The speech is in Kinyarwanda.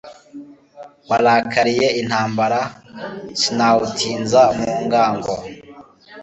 Warakariye intambara Sinawutinza mu ngango